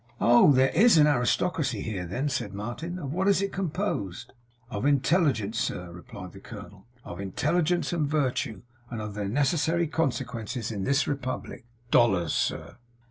'Oh! there IS an aristocracy here, then?' said Martin. 'Of what is it composed?' 'Of intelligence, sir,' replied the colonel; 'of intelligence and virtue. And of their necessary consequence in this republic dollars, sir.